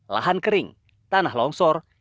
lahan kering tanah longsor